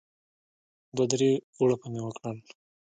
دوه درې غوړپه مې وکړل.